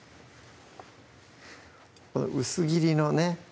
薄切りのね